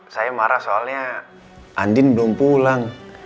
saya marah soalnya andin belum pulang